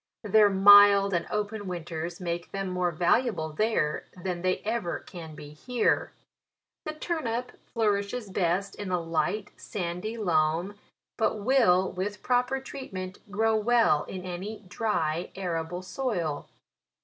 Their mild and open winters make them more valuable there than they ever can be here. The turnip flourishes best in a light, sandy loam, but will, with proper treatment, grow well in any dry, arable soil.